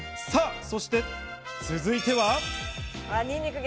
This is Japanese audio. そして続いては。